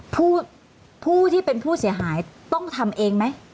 ผู้ที่เป็นผู้เสียหายต้องทำเองไหม